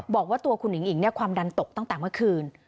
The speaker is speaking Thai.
บอกว่าตัวคุณหญิงอิ๋งความดันตกตั้งแต่เมื่อคืน